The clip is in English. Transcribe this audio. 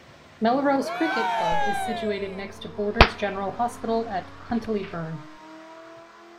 Melrose Cricket Club is situated next to Borders General Hospital at Huntlyburn.